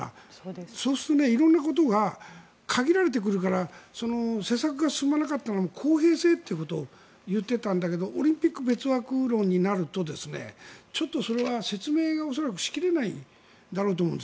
そうすると色んなことが限られてくるから施策が進まなかったのも公平性と言ってたんだけどオリンピック別枠論になるとちょっとそれは説明しきれないと思うんです。